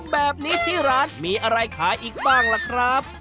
แบบนี้ที่ร้านมีอะไรขายอีกบ้างล่ะครับ